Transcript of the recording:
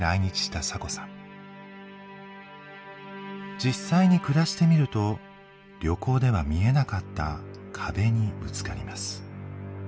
実際に暮らしてみると旅行では見えなかった壁にぶつかります。